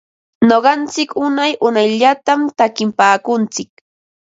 Nuqantsik unay unayllatam takinpaakuntsik.